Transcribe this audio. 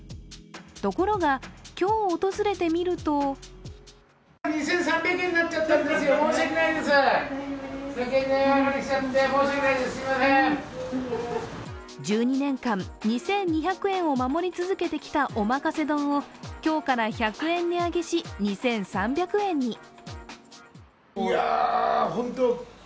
ところが、今日訪れてみると１２年間、２２００円を守り続けてきたおまかせ丼を今日から１００円値上げし２３００円に。